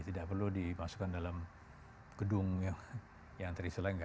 mereka bisa dimasukkan dalam gedung yang terisi langga